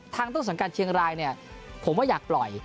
ต้นสังกัดเชียงรายเนี่ยผมว่าอยากปล่อย